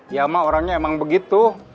ya mah orangnya emang begitu